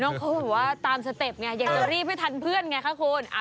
น้องโค้นว่าตามสเต็ปไงอยากจะรีบให้ทันเพื่อนไงค่ะโค้น